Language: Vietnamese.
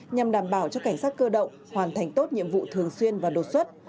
nhằm đảm bảo cho cảnh sát cơ động hoàn thành tốt nhiệm vụ thường xuyên và đột xuất